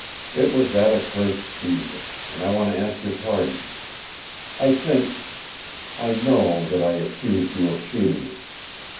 It was that accursed fever and I want to ask your pardon! I think I know that I accused you of shooting me.